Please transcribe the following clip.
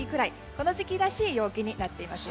この時期らしい陽気になっていますよ。